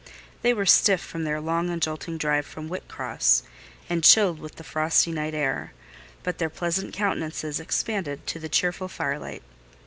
They were stiff with their long and jolting drive from Whitcross, and chilled with the frosty night air; but their pleasant countenances expanded to the cheerful firelight.